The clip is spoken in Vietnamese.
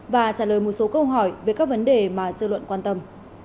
và trả lời một số câu hỏi về các vấn đề mà dư luận quan tâm